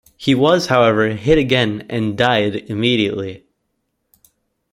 He was, however, hit again and died immediately.